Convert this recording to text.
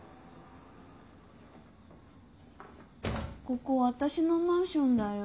ここ私のマンションだよ。